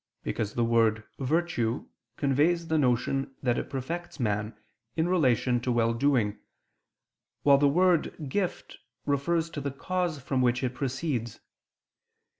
Because the word "virtue" conveys the notion that it perfects man in relation to well doing, while the word "gift" refers to the cause from which it proceeds.